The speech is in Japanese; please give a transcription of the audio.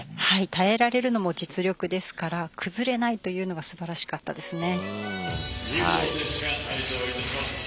耐えられるのも実力ですから崩れないというのがすばらしかったですね。